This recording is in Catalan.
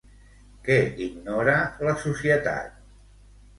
Què ignora la societat?